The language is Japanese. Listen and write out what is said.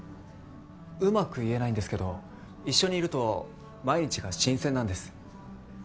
うまく言えないんですけど一緒にいると毎日が新鮮なんです。